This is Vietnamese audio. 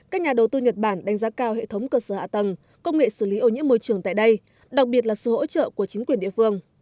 các nhà đầu tư nhật bản đánh giá cao hệ thống cơ sở hạ tầng công nghệ xử lý ô nhiễm môi trường tại đây đặc biệt là sự hỗ trợ của chính quyền địa phương